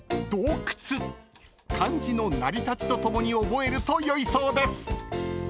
［漢字の成り立ちと共に覚えるとよいそうです］